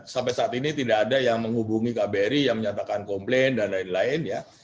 sampai saat ini tidak ada yang menghubungi kbri yang menyatakan komplain dan lain lain ya